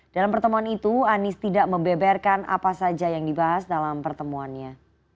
dalam pertemuan itu anies tidak membeberkan apa saja yang dibahas dalam pertemuannya